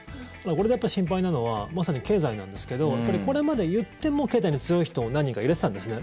これで心配なのはまさに経済なんですけどこれまで言っても、経済に強い人を何人か入れてたんですね。